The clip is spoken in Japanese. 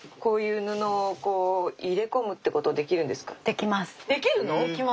できます。